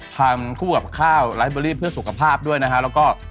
ทำคู่กับข้าวไลฟ์เบอรี่เพื่อสุขภาพด้วยนะฮะแล้วก็